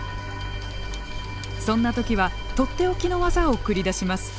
そんな時はとっておきの技を繰り出します。